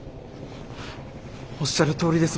おっしゃるとおりです。